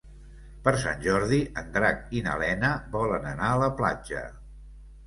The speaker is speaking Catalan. Per Sant Jordi en Drac i na Lena volen anar a la platja.